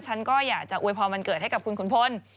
ฉันก็อยากจะอวยพรวันเกิดให้กับคุณขุนพล